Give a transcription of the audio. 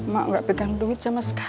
mak nggak pegang duit sama sekali